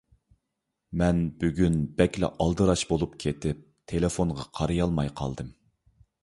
مەن بۈگۈن بەكلا ئالدىراش بولۇپ كېتىپ، تېلېفونغا قارىيالماي قالدىم.